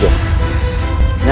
ya ini dia